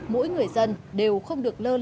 mỗi người dân đều không được lơ lơ